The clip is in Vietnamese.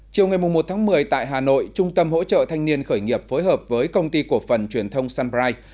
chiều ngày một tháng một mươi tại hà nội trung tâm hỗ trợ thanh niên khởi nghiệp phối hợp với công ty cổ phần truyền thông sunbright